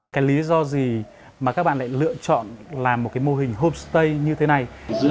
cái lý do gì mà các bạn lại lựa chọn làm một cái mô hình homestay như thế này